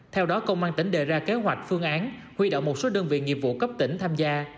theo đó công an tỉnh đề ra kế hoạch phương án huy động một số đơn vị nghiệp vụ cấp tỉnh tham gia